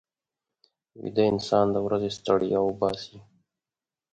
ویده انسان د ورځې ستړیا وباسي